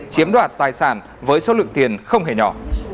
chiếm đoạt tài sản với số lượng tiền không hề nhỏ